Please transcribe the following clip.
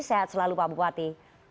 sehat selalu pak bupati